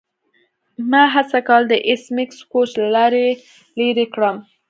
ما هڅه کوله د ایس میکس کوچ له لارې لیرې کړم